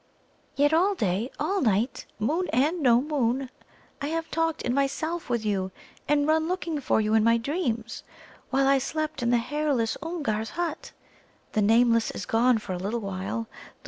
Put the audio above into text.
Yet all day, all night, moon and no moon, I have talked in myself with you, and run looking for you in my dreams, while I slept in the hairless Oomgar's hut. The Nameless is gone for a little while.